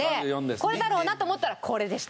これだろうなと思ったらこれでした。